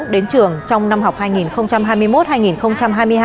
đến trường trong năm học hai nghìn hai mươi một hai nghìn hai mươi hai